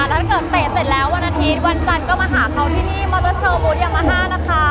แล้วถ้าเกิดเตะเสร็จแล้ววันอาทิตย์วันจันทร์ก็มาหาเขาที่นี่มอเตอร์โชว์บูธยามาฮ่านะคะ